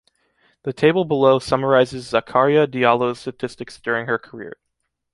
The table below summarizes Zakaria Diallo’s statistics during his career.